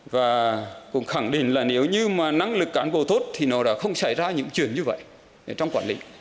và cũng khẳng định là nếu như mà năng lực cán bộ tốt thì nó đã không xảy ra những chuyện như vậy trong quản lý